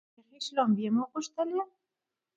یخې شلومبې مو غوښتلې.